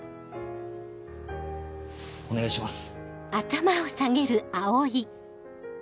お願いします。